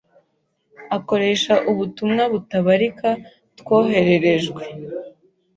akoresheje ubutumwa butabarika twohererejwe.